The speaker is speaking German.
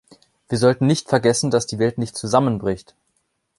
Wir sollten nicht vergessen, dass die Welt nicht zusammenbricht.